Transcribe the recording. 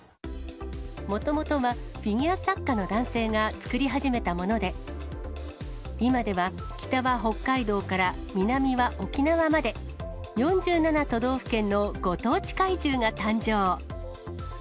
もともとはフィギュア作家の男性が作り始めたもので、今では、北は北海道から南は沖縄まで、４７都道府県のご当地怪獣が誕生。